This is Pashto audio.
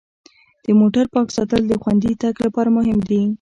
د موټر پاک ساتل د خوندي تګ لپاره مهم دي.